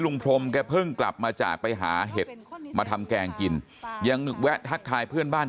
พรมแกเพิ่งกลับมาจากไปหาเห็ดมาทำแกงกินยังแวะทักทายเพื่อนบ้าน